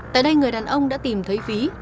tại đây người đàn ông đã tìm thấy ví